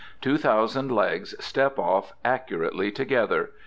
Two thousand legs step off accurately together.